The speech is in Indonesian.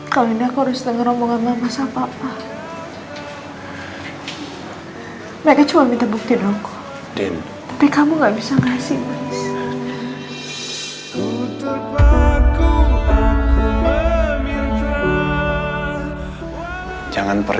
kalo ini aku harus denger omongan mama sama papa